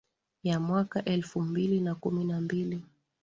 ya mwaka elfu mbili na kumi na mbili